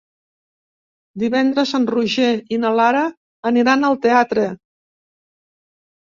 Divendres en Roger i na Lara aniran al teatre.